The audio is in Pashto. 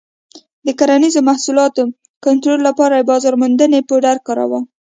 د کرنیزو محصولاتو کنټرول لپاره یې بازار موندنې بورډ کاراوه.